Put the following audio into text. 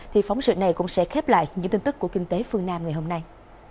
thì phóng sự này cũng sẽ khép lại những tin tức của kinh tế phương nam ngày hôm nay